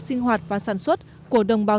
sinh hoạt và sản xuất của đồng bào dân